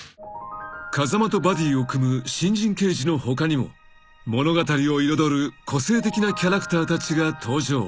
［風間とバディを組む新人刑事の他にも物語を彩る個性的なキャラクターたちが登場］